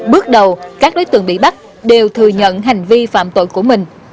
bước đầu các đối tượng bị bắt đều thừa nhận hành vi phạm tội của mình